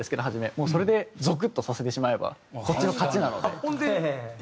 もうそれでゾクッとさせてしまえばこっちの勝ちなので。